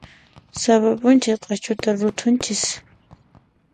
Sapa p'unchay q'achuta rutunchis.